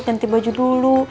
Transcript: ganti baju dulu